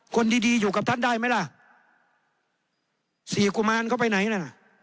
คนดีดีอยู่กับท่านได้ไหมล่ะสี่กุมารเข้าไปไหนนั่นน่ะ